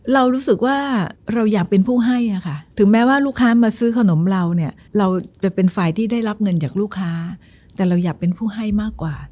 เรารู้สึกว่าเราอยากเป็นผู้ให้อะค่ะถึงแม้ว่าลูกค้ามาซื้อขนมเราเนี่ยเราจะเป็นฝ่ายที่ได้รับเงินจากลูกค้าแต่เราอยากเป็นผู้ให้มากกว่า